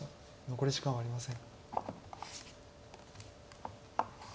残り時間はありません。